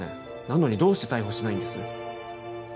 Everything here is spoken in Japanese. なのにどうして逮捕しないんです？